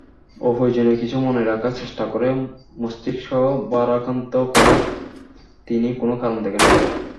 অপ্রয়োজনীয় কিছু মনে রাখার চেষ্টা করে মস্তিষ্ক ভারাক্রান্ত করার তিনি কোনো কারণ দেখেন না।